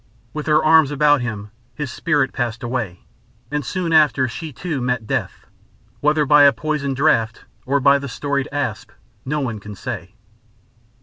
With her arms about him, his spirit passed away; and soon after she, too, met death, whether by a poisoned draught or by the storied asp no one can say.